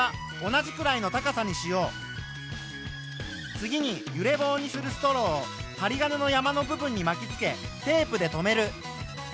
次に「揺れ棒」にするストローをはり金の山の部分にまきつけテープでとめる。